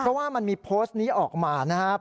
เพราะว่ามันมีโพสต์นี้ออกมานะครับ